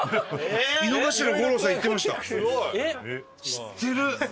知ってる！